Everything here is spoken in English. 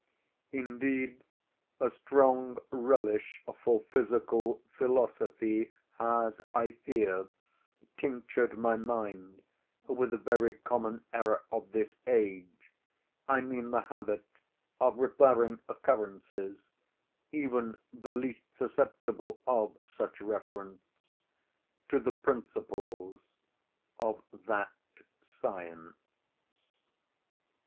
Indeed, a strong relish for physical philosophy has, I fear, tinctured my mind with a very common error of this age—I mean the habit of referring occurrences, even the least susceptible of such reference, to the principles of that science.